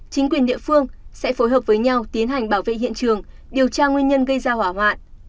chính quyền địa phương sẽ phối hợp với nhau tiến hành bảo vệ hiện trường điều tra nguyên nhân gây ra hỏa hoạn